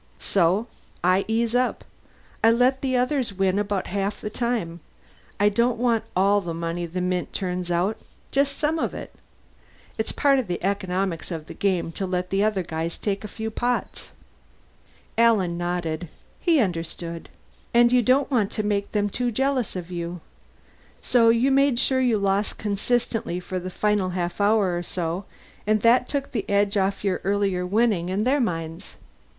So I ease up. I let the others win about half the time. I don't want all the money the mint turns out just some of it. It's part of the economics of the game to let the other guys take a few pots." Alan nodded. He understood. "And you don't want to make them too jealous of you. So you made sure you lost consistently for the final half hour or so, and that took the edge off your earlier winning in their minds."